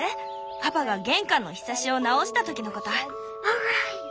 パパが玄関のひさしを直した時のこと。